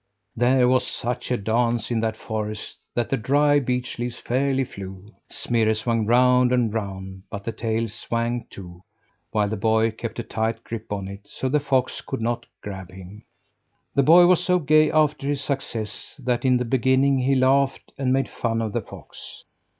There was such a dance in that forest that the dry beech leaves fairly flew! Smirre swung round and round, but the tail swung too; while the boy kept a tight grip on it, so the fox could not grab him. The boy was so gay after his success that in the beginning, he laughed and made fun of the fox.